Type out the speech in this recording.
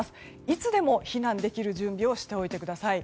いつでも避難できる準備をしておいてください。